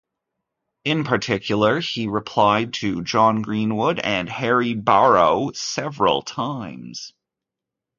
In particular, he replied to John Greenwood and Henry Barrowe several times.